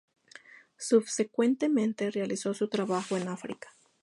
Subsecuentemente, realizó su trabajo en África.